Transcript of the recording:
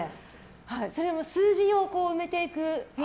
それも数字を埋めていく頭